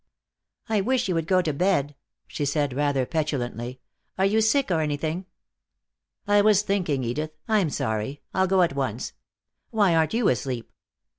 "I wish you would go to bed," she said, rather petulantly. "Are you sick, or anything?" "I was thinking, Edith. I'm sorry. I'll go at once. Why aren't you asleep?"